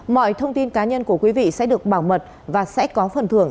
mọi thông tin cá nhân của quý vị sẽ được bảo mật và sẽ có phần thưởng